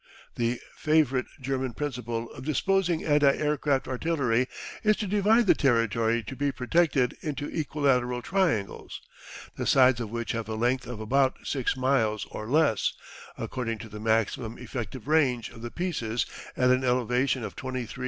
The favourite German principle of disposing anti aircraft artillery is to divide the territory to be protected into equilateral triangles, the sides of which have a length of about six miles or less, according to the maximum effective range of the pieces at an elevation of 23 1/2 degrees.